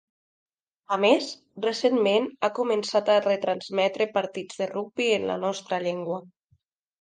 A més, recentment ha començat a retransmetre partits de rugbi en la nostra llengua.